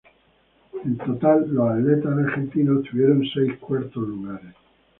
En total, los atletas argentinos obtuvieron seis cuartos lugares.